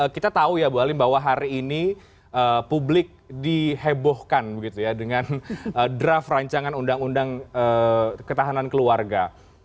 kita tahu ya bu halim bahwa hari ini publik dihebohkan dengan draft rancangan undang undang ketahanan keluarga